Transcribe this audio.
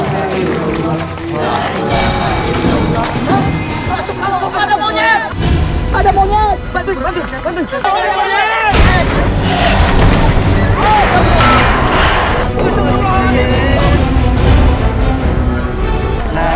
pak ustadz jenagah suami saya